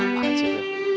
apaan sih itu